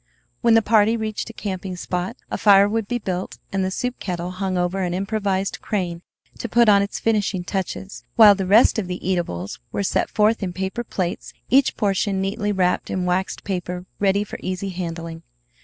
When the party reached a camping spot, a fire would be built and the soup kettle hung over an improvised crane to put on its finishing touches, while the rest of the eatables were set forth in paper plates, each portion neatly wrapped in waxed paper ready for easy handling.